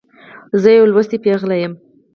زه یوه لوستې پیغله يمه.